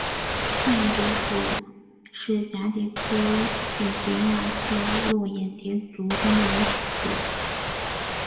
泡眼蝶属是蛱蝶科眼蝶亚科络眼蝶族中的一个属。